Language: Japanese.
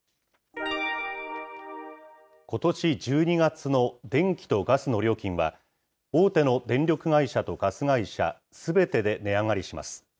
ことし１２月の電気とガスの料金は、大手の電力会社とガス会社すべてで値上がりします。